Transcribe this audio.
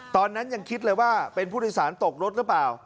ตอนนั้นยังคิดเลยว่าเป็นผู้โดยสารตกรถหรือเปล่า